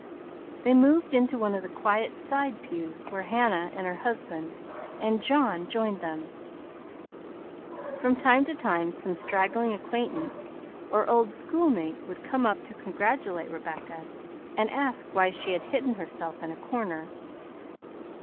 They moved into one of the quiet side pews, where Hannah and her husband and John joined them. From time to time some straggling acquaintance or old schoolmate would come up to congratulate Rebecca and ask why she had hidden herself in a corner.